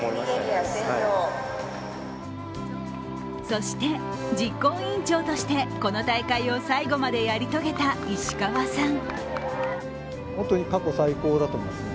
そして実行委員長としてこの大会を最後までやり遂げた石川さん。